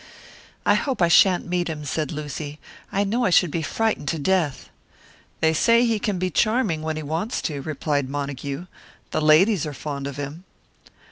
"I hope I shan't meet him," said Lucy. "I know I should be frightened to death." "They say he can be charming when he wants to," replied Montague. "The ladies are fond of him."